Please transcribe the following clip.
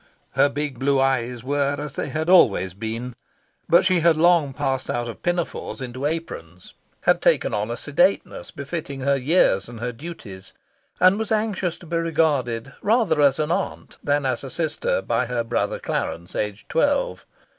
Her big blue eyes were as they had always been; but she had long passed out of pinafores into aprons, had taken on a sedateness befitting her years and her duties, and was anxious to be regarded rather as an aunt than as a sister by her brother Clarence, aged twelve.